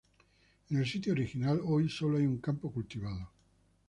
En el sitio original hoy solo hay un campo cultivado.